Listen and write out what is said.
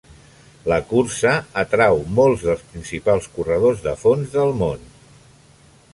La cursa atrau molts dels principals corredors de fons del món.